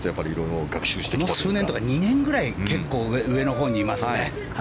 この数年というか２年ぐらい結構上のほうにいますね。